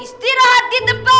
istirahat di tempat